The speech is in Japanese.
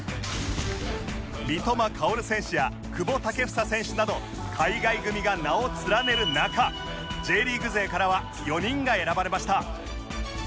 三笘薫選手や久保建英選手など海外組が名を連ねる中 Ｊ リーグ勢からは４人が選ばれました